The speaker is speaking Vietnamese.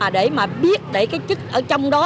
để mà biết để cái chức ở trong đó